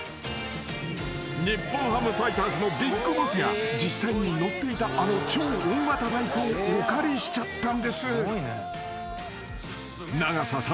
［日本ハムファイターズのＢＩＧＢＯＳＳが実際に乗っていたあの超大型バイクをお借りしちゃったんです］［長さ３ｍ。